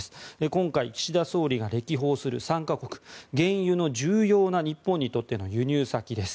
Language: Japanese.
今回、岸田総理が歴訪する３か国原油の重要な日本にとっての輸入先です。